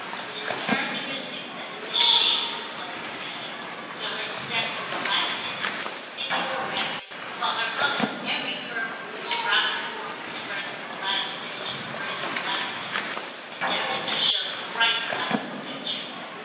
It is characteristic that it is she who complains of the heat, though her step is elastic and figure erect, while her mother, every curve of whose rounded form expresses the last stage of graceful lassitude, endeavours to show the bright side of the picture.